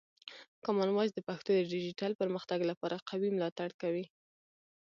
کامن وایس د پښتو د ډیجیټل پرمختګ لپاره قوي ملاتړ کوي.